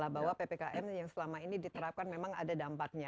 bahwa ppkm yang selama ini diterapkan memang ada dampaknya